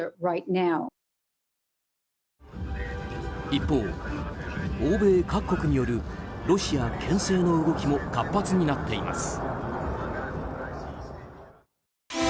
一方、欧米各国によるロシア牽制の動きも活発になっています。